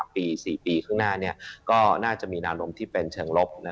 ๔ปีข้างหน้าก็น่าจะมีนารมที่เป็นเชิงลบ